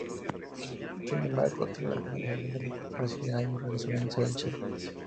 Sin embargo, tras la finalización del Brasileirão, regresó a la Universidad de Chile.